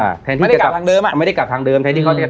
อ่าแทนที่ไม่ได้กลับทางเดิมอ่ะไม่ได้กลับทางเดิมแทนที่เขาได้กลับ